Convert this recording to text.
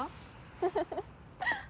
フフフッ。